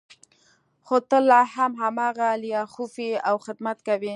خو ته لا هم هماغه لیاخوف یې او خدمت کوې